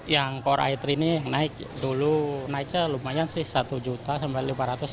yang core i tiga ini naik dulu naiknya lumayan sih satu juta sampai lima ratus